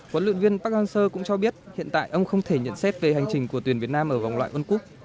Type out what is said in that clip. huấn luyện viên park hang seo cũng cho biết hiện tại ông không thể nhận xét về hành trình của tuyển việt nam ở vòng loại world cup